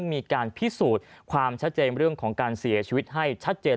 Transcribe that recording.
มีการพิสูจน์ความชัดเจนเรื่องของการเสียชีวิตให้ชัดเจน